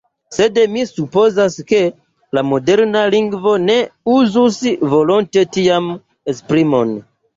Sed mi supozas, ke la moderna lingvo ne uzus volonte tian esprimon.